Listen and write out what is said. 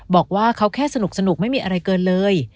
บอกว่าเขาแค่สนุกไม่มีอะไรเกินเลย